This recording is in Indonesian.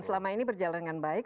dan selama ini berjalan dengan baik